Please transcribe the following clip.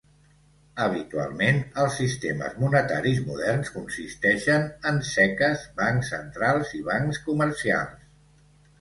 Habitualment, els sistemes monetaris moderns consisteixen en seques, bancs centrals i bancs comercials.